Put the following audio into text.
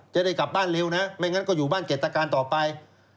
จะได้กลับบ้านเร็วนะไม่งั้นก็อยู่บ้านเกรตการต่อไป